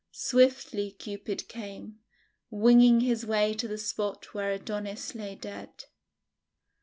Swiftly Cupid came, winging his way to the spot where Adonis lay dead.